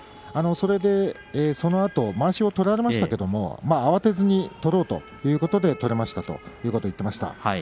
それで、そのあとまわしを取られましたけれども慌てずに取ろうということで取れましたということを言っていました。